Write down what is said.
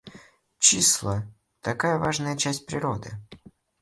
Числа, такая важная часть природы!